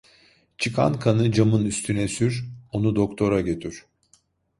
Çıkan kanı camın üstüne sür, onu doktora götür…